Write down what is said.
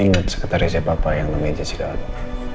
ingat sekretarisnya papa yang namanya jisil ado